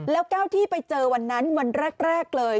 แล้วก็ไปเจอวันนั้นเวลาแรกเลย